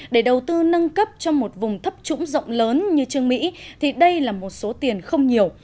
để đầu tư nâng cấp cho một vùng thấp trũng rộng lớn như trương mỹ thì đây là một số tiền không nhiều